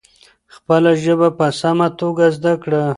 خپله ژبه په سمه توګه زده کړه.